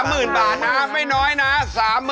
หมื่นบาทนะไม่น้อยนะ